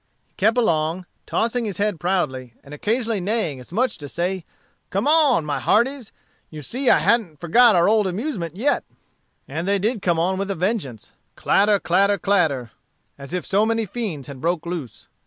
He kept along, tossing his head proudly, and occasionally neighing, as much as to say, "Come on, my hearties, you see I ha'n't forgot our old amusement yet." And they did come on with a vengeance, clatter, clatter, clatter, as if so many fiends had broke loose.